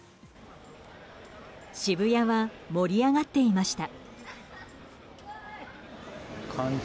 渋谷は盛り上がっていました。